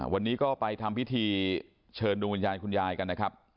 วันนี้ก็ไปทำพิธีเชิญดวงวิญญาณคุณยายกันนะครับ